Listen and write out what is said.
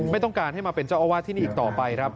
ไม่ต้องการให้มาเป็นเจ้าอาวาสที่นี่อีกต่อไปครับ